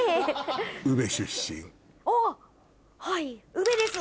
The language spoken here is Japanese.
宇部です